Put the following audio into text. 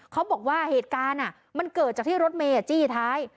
เขาบอกว่าเหตุการณ์มันเกิดจากที่รถเมย์จี้ท้าย